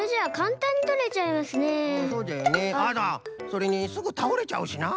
それにすぐたおれちゃうしな。